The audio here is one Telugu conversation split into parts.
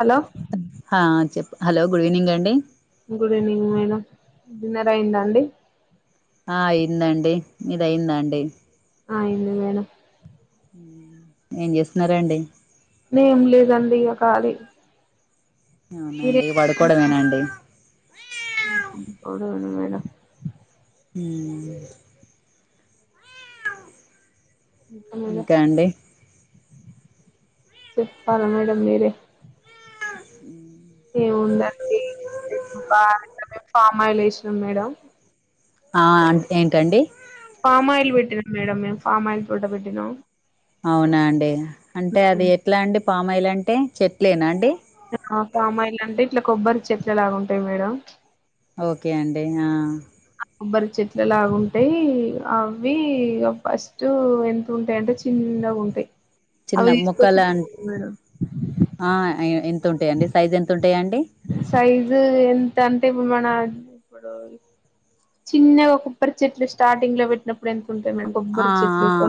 హలో హా చెప్ హలో గుడ్ ఈవినింగ్ అండి గుడ్ ఈవినింగ్ మేడం డిన్నర్ అయిందా అండి ఆ అయ్యిదండి మీది అయ్యిదండీ అయింది మేడం ఏం చేస్తున్నారండి ఏం లేదండి ఇగ ఖాళీ మీరే అవునండి పడుకోవడమేనండి అవునువును మేడం ఉ ఇంకా అండి చెప్పాలా మేడం మీరే అ ఏముందండి మే బాగానే ఫ్యామయిల్ వేసినాం మేడం ఆ అంటే ఏంటండి ఫామ్ ఆయిల్ పెట్టినాం మేడం మేము ఫామ్ ఆయిల్ తోట పెట్టినాం అవునా అండి అంటే అది ఎట్లా అండి ఫమాయిలు అంటే చెట్లేనా అండి పామ్ ఆయిల్ అంటే ఇట్లా కొబ్బరి చెట్లులాగా ఉంటాయి మేడం ఓకే అండి ఆ కొబ్బరి చెట్ల లాగా ఉంటాయి అవి ఫస్ట్ ఎంత ఉంటాయి అంటే చిన్నగా ఉంటాయి చిన్న అవ్వి మొక్కల తీసుకొచ్చిళ్ళు మేడం ఆ ఎంత ఉంటాయండి సైజ్ ఎంత ఉంటాయి అండి సైజు ఎంత అంటే ఇప్పుడు మన డ [unintelligible] చిన్నగా ఒక కొబ్బరి చెట్లు స్టార్టింగ్ లో పెట్టినప్పుడు ఎంత ఉంటాయి మేడం ఆ కొబ్బరి చెట్లు ఆ కొ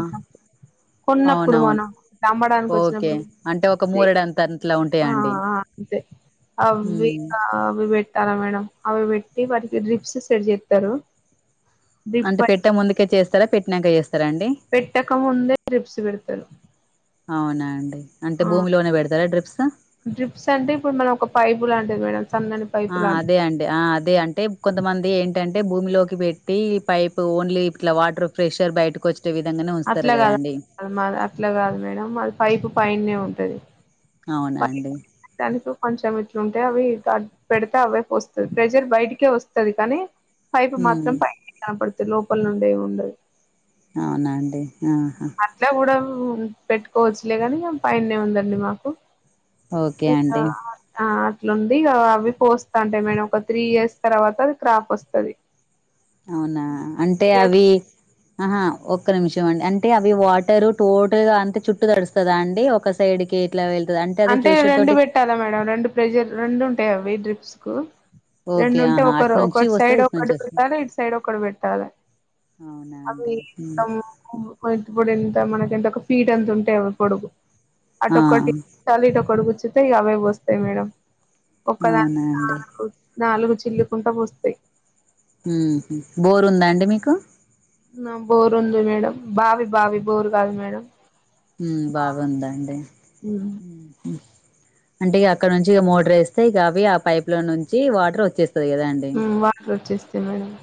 కొన్నప్పుడు అవునవును మనం అమ్మడానికి ఓకే వచ్చినప్పుడు అంటే ఒక సే మూరెడు అంత అట్లా ఉంటాయా ఆ అండి అంతే అవ్వి మ్మ్ అవి పెట్టాలా మేడం అవి పెట్టి వాటికి రిప్స్ సెట్ చేసుకోవడం చెత్తర్రు అంటే పెట్టా ముందుకే చేస్తారా పెట్టినాక చేస్తారా అండి పెట్టక ముందే రిప్స్ పెడతారు అవునా అండి అంటే భూమిలోనే పెడతారా డ్రిప్స్ రిప్స్ అంటే ఇప్పుడు మనం ఒక పైపు లాంటిది మేడం సన్నది ఆ అదే అండి ఆ అదే అంటే కొంతమంది ఏంటంటే భూమిలోకి పెట్టి పైప్ ఓన్లీ ఇట్లా వాటర్ ప్రెషర్ బయటకు వచ్చ చ్చే విధంగానే ఉంచుతరు కదా అండి అది మా అట్లా కాదు మేడం అది పైపు పైన ఉంటది అవునా అండి దానికి కొంచెం ఇట్లా ఉంటే అవి పెడితే అవ్వే పోస్తది ప్రెజర్ బయటికే వస్తది కానీ పైపు ఉమ్ మాత్రం పై కనపడుతు లోపల నుండి ఏం ఉండదు అవునా అండి ఆహా ఇట్ల కూడా పెట్టుకోవచ్చులే కాని పైనే ఉందండి మాకు ఓకే ఇంకా అండి ఆ అట్లుంది ఇక అవి పోస్తా అంటే మేము ఒక త్రీ ఇయర్స్ తర్వాత అది క్రాప్ వస్తది అవునా త్రీ అంటే ఇయర్స్ అవి ఆహా ఒక్క నిమిషం అండి అంటే అవి వాటరు టోటల్ గా అంతే చుట్టు తడుస్తదా అండి ఒక సైడ్ కి ఎట్లా వెళ్తది అంటే అది ఫ్రెషర్ తోటి ట్టాలా మేడం రెండు ప్రెజర్ రెండు ఉంటాయి అవి డ్రిప్స్ కు ఓకే రెండుంటే ఆహా అటు ఒకరు నుంచి ఒకటి వస్తది సైడ్ ఇటు నుంచి ఒకటి వస్తది పెట్టాలి ఇటు సైడ్ ఒకటి పెట్టాలె అవునా అండి మ్మ్ ఓ ఇప్పుడు ఎంత మనకి ఎంత ఒక ఫీడ్ అంత ఉంటే పొడుగు ఆ అటొక్కటి టాలీ ఇటొక్కటి కూచుంటే ఇగ అవే పోస్తాయి మేడమ్ ఒక్కదా అవునా [inaudible] ఆ అండి నాలుగు చిల్లుకుంట పోస్తాయి మ్మ్ బోరు ఉందా అండి మీకు మాక్ బోరు ఉంది మేడం బావి బావి బోరు కాదు మేడం మ్మ్ బావుందండి ఉమ్ అంటే ఇగ అక్కడ నుంచి ఇగ మోటర్ వేస్తే ఇగా అవే ఆ పైప్ లో నుంచి వాటర్ వచ్చేస్తది ఇగ దానికి మ్మ్ వాటర్ వచ్చేస్తాయి మేడమ్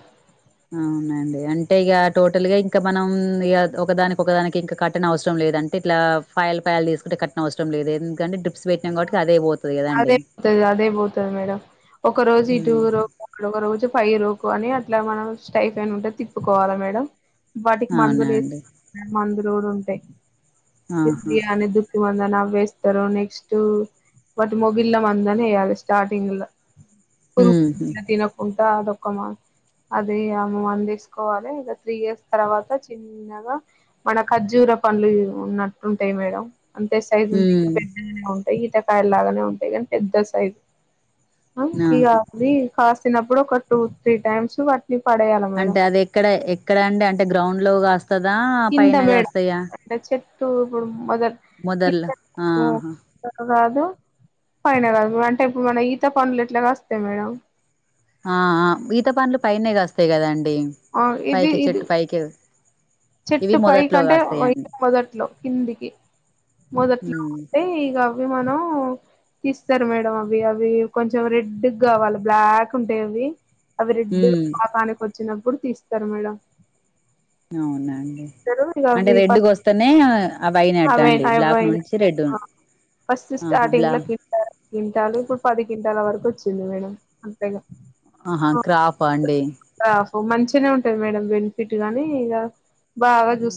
అవునండి అంటే ఇగ టోటల్ గా ఇంకా మనం ఇక ఒకదానికి ఒకదానికి ఇంకా కట్టన అవసరం లేదం టె ఇట్ల పాయలు పాయలు తీసుకుంట కట్టన అవసర లేదు ఎందుకంట డ్రిప్స్ పెట్టన కాట్టి అదే పో అదే పోతది అదే పోతది మేడం ఒక రోజు ఇటు ఉమ్ రో ఒక రోజు పై రోకు అని అట్లా మనం స్టైఫైన్ ఉంటే తిప్పుకోవాలా మేడం వాటికి అవునా మందులు అండి వేస్ మందులు కూడా ఉంటాయి ఆహా [inaudible] అని [inaudible] వందనా వేస్తారు నెక్స్ట్ బట్ మొగిళ్ళ మందని వేయాలి స్టార్టింగ్ లో పురుగు ఉహు గిట్ల తిన [unintelligible] ఉంటా అదొక మ అది అ మందు తీసుకోవాలి ఇగ త్రీ ఇయర్స్ తర్వాత చి న్నగా మన ఖర్జూర పండ్లు ఉన్నట్టు ఉంటాయి మేడం అంతే సైజు ఉంటే ఇంకా ఉమ్ పెద్ద ఉంటాయి ఈతకాయలు లాగానే ఉంటాయి కానీ పెద్ద సైజు ఆ ఇగ ఆహా ఇది కాసినప్పుడు ఒక టూ త్రీ టైమ్స్ వాటిని పడేయాల అంటే అది ఎక్కడ ఎక్కడ అండి అంటే గ్రౌండ్ లో కాస్తదా పైన కాస్తాయా ఇంగ చెట్టు ఇప్పుడు మొదలు మొదల్ కింద ఆ హ [inaudible] కాదు పైన కాదు అంటే ఇప్పుడు మన ఈత పండ్లు ఎట్ల గాస్తాయి మేడం ఆ ఆ ఈత పండ్లు పైనే కాస్తాయి కదాండి ఆ ఇవి పైక ఇది చెట్టు పైకే చెట్టు పై కంటే ఇగ మొదట్లో కిందికి మొదట్లో ఉమ్ అంటే ఇగ వి మనం తీస్తారు మేడం అవి అవి కొంచెం రెడ్డుగ కావాలి బ్లాక్ ఉంటాయి అవి అవి రెడ్డు ఉమ్ పాకానికి వచ్చినప్పుడు తీస్తారు మేడం అవున అండి ఇక అంటే అవి రెడ్డుకి ఫస్ట్ వస్తేనే అవి అయినట్టు అవి అండి బ్లాక్ అవయినా నుంచి రెడ్ ఫస్ట్ ఆహా స్టార్టింగ్ బ్లా లో క గింటాలు ఇప్పుడు పది గింటాల వరకు వచ్చింది మేడం అంతేగా ఆహా క్రాఫ అండి క్రాప్ మంచిగానే ఉంటది మేడం బెనిఫిట్ గానీ ఇగ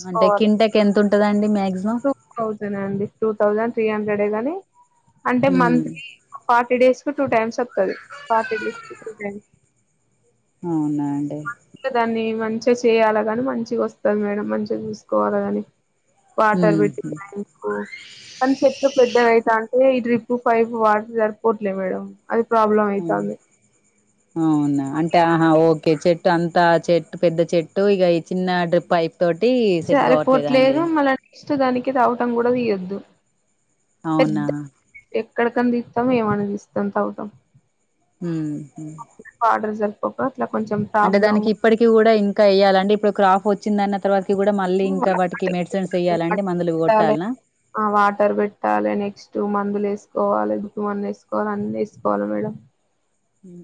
అంటే కింటెక్ ఎంత ఉంటదండి మాక్సిమం టూ థౌజండ్ అండి టూ థౌజండ్ త్రీ హండ్రెడ్ ఏ గాని అంటే ఉమ్ మంత్లీ ఫార్టీ డేస్ కు టూ టైమ్స్ వస్తది ఫార్టీ డేస్ కి టూ టైమ్స్ అవునా అండి ఇంకా దాన్ని మంచిగా చేయ్యాలా గాని మంచిగా వస్తంది మేడం మంచిగా చూసుకోవాలా గాని వాటర్ బెట్టి ఉహు టైమ్ కూ కానీ చెట్లు పెద్దగా అయిత అంటే ఈ డ్రిప్ పైప్ వాట సరిపోవట్లే మేడం అది ప్రాబ్లమ్ అవుతుంది అవునా అంటే ఆహా ఓకే చెట్టు అంత చెట్టు పెద్ద చెట్టు ఇక ఈ చిన్న డ్రిప్ అయిపో తోటి సెట్ కావట్లేదా అండి ఇష్ట దానికి తవటం కూడా తీయద్దు అవునా ఎక్కడికని దీతం ఏమనిదిస్తాం తవతాం ఊహు ఆర్డర్ జరిపోక ఇట్లా కొంచెం అంటే ప్రాబ్లం దానికి ఇప్పటికిీ కూడా ఇంకా వెయ్యాల అంటే ఇప్పుడు క్రాఫ్ వచ్చి అన్న తర్వాతకి కూడా మళ్ళీ ఇంకా వాటికి మెడిసిన్స్ ఏయ్యాలండి మందులు పెట్టాలి కొట్టాల్నా ఆ వాటర్ పెట్టాలి నెక్స్ట్ మందులు వేసుకోవాలి [unintelligible] మందు వేసుకోవాలి అన్న వేసుకోవాలి మేడ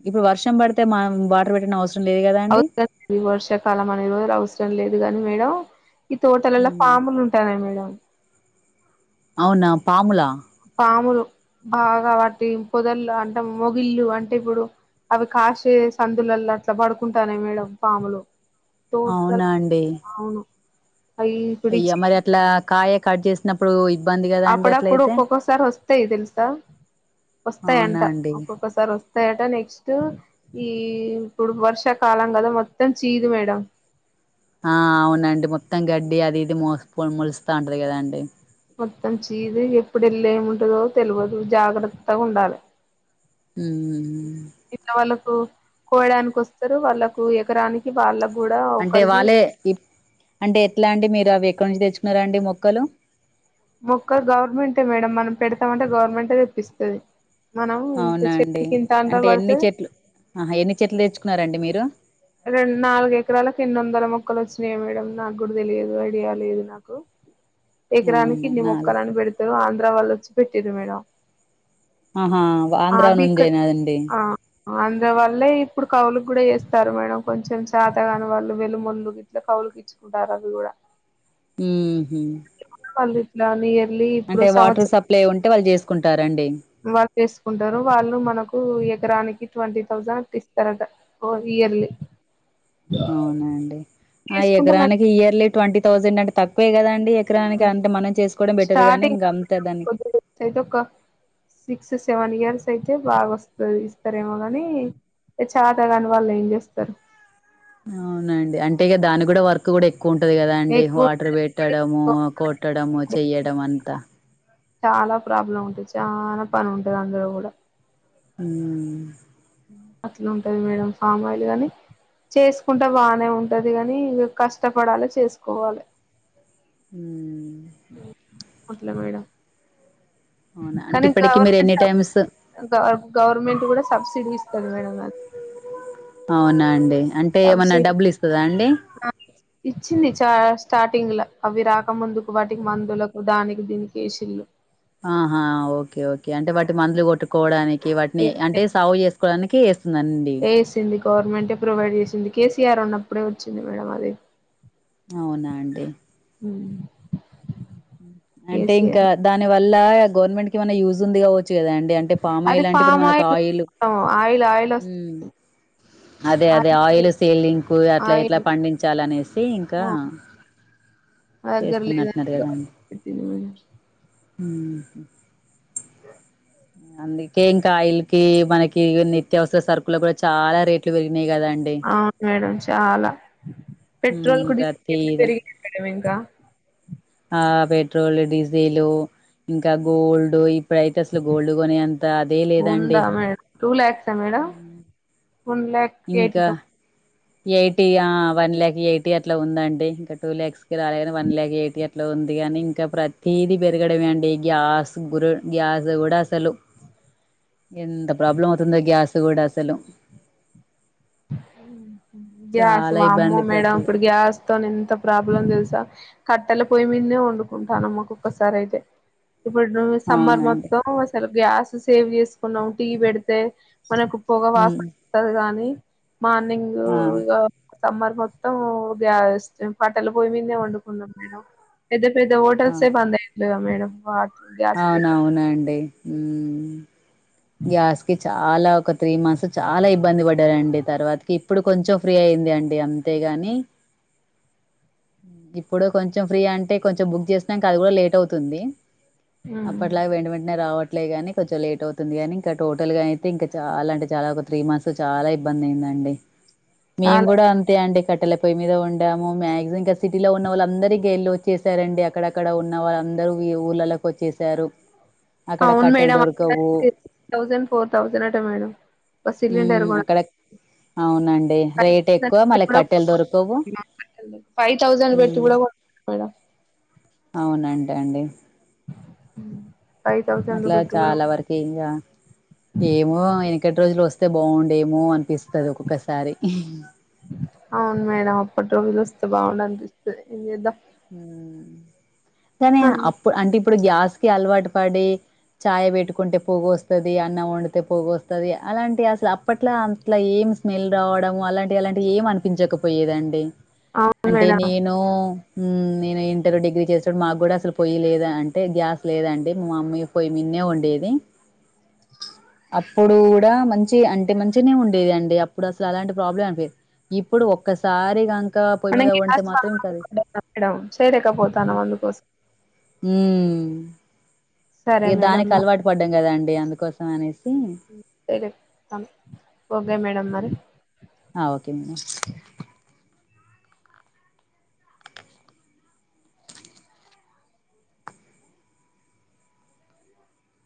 ఇప్పుడు వర్షం పడితే మనం వాటర్ పెట్టడం అవసరం లేదు కదా అండి అవసరం లేదు వర్షాకాలం అన రోజులు అవసరం లేదు గాని మేడం ఈ తోటలల ఉమ్ పాములు ఉంటానయ్ మేడం అవునా పాములా పాములు బాగా వాటి పొదలు అంటే మొగిళ్ళు అంటే ఇప్పుడు అవి కాసే సందులల అట్లా పడుకుంటానయ్ మేడం పాములు తో అవునా [unintelligible] అండి అవును అవి ఇప్పుడు అయ్యా ఇచ్చి మరి అట్లా కాయ కట్ చేసినప్పుడు ఇబ్బంది కదా అండి అట్ల అయితే సారి వస్తాయి తెలుసా అవునా వస్తాయంట అండి ఒక్కొక్కసారి వస్తాయట నెక్స్ట్ ఈ ఇప్పుడు వర్షాకాలం కదా మొత్తం చీదు మేడం ఆ అవునండి మొత్తం గడ్డి అది ఇది మోసప ములుస్తా ఉంటది కదాండి మొత్తం చీదీ ఎప్పుడళ్ళ ఏముంటదో తెలియదు జాగ్రత్తగా ఉండాలి ఉమ్ ఇలా వాళ్ళకు కోయడానికి వస్తారు వాళ్ళకు ఎకరానికి వాళ్ళ కూడా ఒకరికి ఏ ఇట్ అంటే ఎట్లా అండి మీరు అవి ఎక్కడ నుంచి తెచ్చుకున్నారండి మొక్కలు మొక్కలు గవర్నమెంటే మేడం మనం పెడతామంటే గవర్నమెంంటే తెప్పిస్తది మనం ఇంత అవునా అండి చెతికి ఇంత అంట అంటే ఎన్ని పడితే చెట్లు ఆహా ఎన్ని చెట్లు తెచ్చుకున్నారండి మీరు రెండు నాలుగు ఎకరాలకు ఎన్ని వందల మొక్కలు వచ్చినాయా మేడం నాకు కూడా తెలియదు ఐడియా లేదు నాకు కూ ఎకరానికి అవునా కిన్ని నాలుగు మొక్కలని పెడతారు ఆంధ్ర వాళ్ళు వచ్చి పెట్టారు మేడం ఆహా ఆంధ్ర నుండేనా అండి ఆంధ్రవల్లే ఇప్పుడు కవులుకి కూడా చేస్ తరుమైన కొంచెం చేతగాని వాళ్ళు వెలుమోల్లుకి ఇట్లా కౌలుకి ఇచ్చుకుంటారు అవి కూడా ఊహు వాళ్ళు ఇట్లాని నియర్లీ ఇప్పుడు వాటర్ సంవత్సరం సప్లై ఉంటే వాళ్ళు చేసుకుంటారండి వాల్ చేసుకుంటారు వాళ్ళు మనకు ఎకరానికి ట్వంటీ థౌసండ్ అట్లా ఇస్తారట ఇయర్లీ అవునా అండి ఆ చేసుకుంటే మ ఎకరానికి ఇయర్లీ ట్వంటీ థౌసండ్ అంటే తక్కువే కదండి కరానికి అంటే మనం చేసుకోవడమే బెటర్ గాని స్టార్టింగ్ ఇంకా అంతే దానిక్ కొద్ది డేస్ అయితే ఒక సిక్స్ సెవెన్ ఇయర్స్ అయితే బాగా వస్తది ఇస్తారేమో గాని చాతా కాని వాళ్ళు ఏం చేస్తారు అవునా అండి అంటే ఇగ దాని కూడా వర్క్ కూడా ఎక్ క్కువ ఉంటది కదా అండి ఎక్కువ వాటర్ పెట్టడము ఆ కొట్టడము చెయడం అంతా చాలా ప్రాబ్లం ఉంటుంది చాలా పని ఉంటది అందులో కూడా ఊ ఊ అట్లుంటాది మేడం ఫామాయిలు గాని చేసుకుంటే బానే ఉంటది గాని ఇగ కష్టపడాలె చేసుకోవాలె ఊ పుట్లా మేడం అవునా అంటే ఇప్పటికిీ మీరు ఎన్ని టైమ్స్ గవర్ గవర్నమెంట్ కూడా సబ్సిడీ ఇస్తది మేడం దానికి అవునా అండి అంటే ఏమన్నా సబ్సిడీ డబ్బులు ఇస్తదా అండి ఇచ్చింది చా స్టార్టింగ్ ల అవి రాకముందుకు వాటికి మందులకు దానికి దీని కేసిళ్లు ఆహా ఓకే ఓకే అంటే వాటి మందులు కొట్టుకోవడానికి వాటిని అంటే సాగు చేసుకోవడానికి ఏస్ నన్ ఏసింది గవర్నమెంటే ప్రొవైడ్ జేసింది కేసీఆర్ ఉన్నప్పుడే వచ్చింది మేడం అది అవునా అండి ఊ అంటే ఇంకా దాని వల్ల గవర్నమెంట్ కేమైనా యూజ్ ఉంది కావచ్చు కదా అండి అంటే అది పామాయిల్ అంటే ఇప్పుడు ఫామ్ మనకు ఆయిల్ ఆయిలు ఆయిల్ ఆయిల్ ఊ వస్త అదే అదే ఆయిల్ సీలింకు అట్లా ఎట్లా ఆయిల్ పండించాలనేసి ఇంకా ఆ, మా దగ్గర లేదని చేస్తున్నట్టున్నారు కదాండి [unintelligible] ఊహు అందుకే ఇంకా ఆయిల్కి మనకి ఇగ నిత్యావసర సరుకులు కూడా చాలా రేట్లు పెరిగినాయి కదండి అవును మేడం చాలా పెట్రోల్ ఉమ్ కు డీజిల్ కెట్లా ప్రతిది పెరిగింది మేడమ్ ఇంకా ఆ పెట్రోల్ డీజిల్ ఇంకా గోల్డ్ ఇప్ ప్పుడైతే అసలు గోల్డ్ కొనే అంత అదే లేదండి ఉందా మేడం టూ లాక్స్ ఆ మేడం వన్ లాక్ ఇంకా ఎయిటీ ఆ వన్ లాక్ ఎయిటీ అట్లా ఉందండి ఇంకా టూ ల్యాక్స్ కి రాలే గాని వన్ ల్యాక్ ఎయిటీ అట్ ట్ల ఉంది కాని ఇంకా ప్రతీది పెరగడమే అండి గ్యాస్ గు గ్యాస్ కూడా సలు ఎంత ప్రాబ్లం అవుతుందో గ్యాస్ కూడా అసలు గ్యాస్ చాలా వామ్మో ఇబ్బంది మేడం ప్రతి ఇప్పుడు గ్యాస్ తోని ఎంత ప్రాబ్లం తెలుసా కట్టెల పోయి మీదనే వండుకుంటాన్నాం ఒకొక్క సారి అయితే ఇప్పుడు ను సమ్మర్ అవునండి మొత్తం అసలు గ్యాస్ సేవ్ చేసుకున్నాం టీ పెడితే మనకు పొగ ఉమ్ వాసన వస్తుంది గానీ మార్నింగు ఆ ఇగ సమ్మర్ మొత్తం ఓ గ్యాస్ పట్టలు పొయ్య మీదే వండుకున్నాం మేడం పెద్ద పెద్ద ఆ హోటల్సే బందెయ్యట్లేదా మేడం వా అవునవునండి ఉమ్ గ్యాస్ కి చాలా ఒక త్రీ మంత్స్ చాలా ఇబ్బంది పడ్డారండి తర్వాతకి ఇప్పుడు కొంచెం ఫ్రీ అయింది అండి అం అంతేగాని ఇప్పుడు కొంచెం ఫ్రీ అంటే కొంచెం బుక్ చేసినాక అది కూడా లేట్ అవుతుంది అప్ప హ్మ్ లా వెంట వెంటనే రావట్లే కానీ కొంచెం లేట్ అవుతుంది కానీ ఇంకా టోటల్ అయితేంకా చాలా అంటే చాలా ఒక త్రీ మంత్స్ చాలా ఇబ్బంది అయిందండి మేము చాలా కూడా అంతే అండి కట్టెల పోయి మీద ఉండాము మాక్సిం ఇంకా సిటీలో ఉన్న వాళ్ళ అందరికకి వెళ్ళి వచ్చేసారండి అక్కడక్కడ ఉన్ వాళ్ళందరూ ఈ ఊళ్ళలకు వచ్చేశారు అవును మేడం అడ సిక్స్ థౌసండ్ ఫోర్ థౌసండ్ అట మేడం ఒ సిలిండర్ హ్మ్. మా అక్కడ అవునండి రేట్ ఎక్కువ మళ్ళీ కట్టెలు దొరకవు ఫైవ్ థౌసండ్ పెట్టి కూడా కొన్న మేడమ్ అవునంట అండి ఉ అట్ల చాలా వర ఇంగ ఏమో ఎనకటి రోజులు వస్తే బాగుండేమో అనిపిస్ తది ఒక్కొక్కసారి అవును మేడం అప్పటి రోజులు వస్తే బాగుండనిపిస్తది ఎం చేద్దాం కానీ అన్ అప్పు అంటే ఇప్పుడు గ్యాస్ కి అలవాటు పడి చాయ్ పెట్టుకుంటే పోగోస్తది అన్నం వండితే పోగోస్తది అలాంటి అసలు అప్ అప్పట్లా అట్లా ఏం స్మెల్ రావడము అలాంటివి అలాంటివి ఏం అనిపించకపోయేదండి అవును అంటే మేడం నేను ఉమ్ నే ఇంటర్ డిగ్రీ చేసాడు మాకు కూడా అసలు పొయ్యి లేదా అంటే గ్యాస్ లేదండి మా మమ్మీ పొయ్యి మీదనీ వండేది అప్పుడు కూడా మంచి అంటే మంచిగానే ఉండేది అండి అప్పుడు అసలు అలాంటి ప్రాబ్లం అనిపిదు ఇప్పుడు ఒక్కసారి గంకా పొయ్యి మీద వండితే మాత్రం కది అక్కడ సేడెక పోతానం అందుకోసం హ్మ్. సరే ఇగ మేడం దానికి మరి అలవాటు పడ్డాం కదాండి అందుకోసం అనేసి తేలే కని ఓకే మేడమ్ మరి ఆ ఒకే మేడం